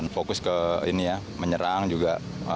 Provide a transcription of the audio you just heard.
fokus ke ini ya menyerang juga